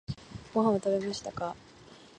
ご飯を食べましたか？